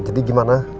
eh jadi gimana